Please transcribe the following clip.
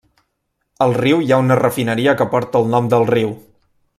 Al riu hi ha una refineria que porta el nom del riu.